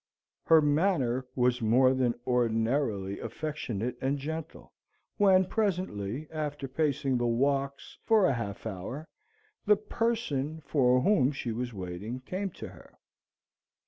Her manner was more than ordinarily affectionate and gentle, when, presently, after pacing the walks for a half hour, the person for whom she was waiting came to her.